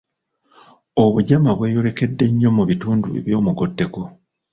Obugyama bweyolekedde nnyo mu bitundu eby’omugotteko.